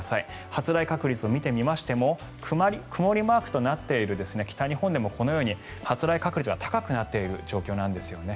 発雷確率を見てみましても曇りマークとなっている北日本でもこのように発雷確率が高くなっている状況なんですよね。